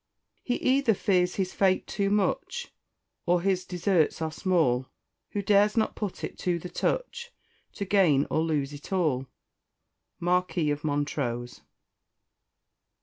"He either fears his fate too much, Or his deserts are small, Who dares not put it to the touch, To gain or lose it all." _Marquis of Montrose.